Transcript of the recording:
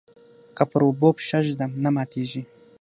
که پر اوبو پښه ږدم نه ماتیږي.